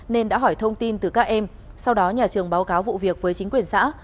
nên đã hỏi thông tin từ các em sau đó nhà trường báo cáo vụ việc với chính quyền xã